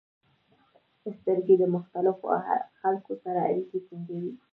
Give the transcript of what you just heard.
• سترګې د مختلفو خلکو سره اړیکه ټینګوي.